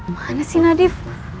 mana sih nadif